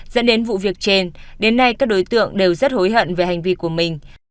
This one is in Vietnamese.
dẫn đến vụ việc trên đến nay các đối tượng đều rất hối hận về hành vi của mình